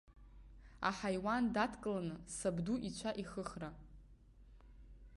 Аҳаиуан дадкыланы сабду ицәа ихыхра.